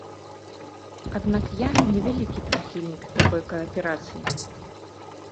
Аднак я не вялікі прыхільнік такой кааперацыі.